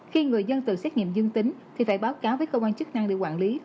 khi người dân tự xét nghiệm dương tính thì phải báo cáo với cơ quan chức năng để quản lý